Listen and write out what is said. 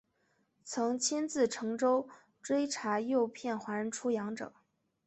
曾亲自乘舟追查诱骗华人出洋者。